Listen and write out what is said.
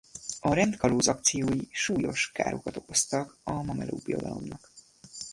A rend kalózakciói súlyos károkat okoztak a mameluk birodalomnak.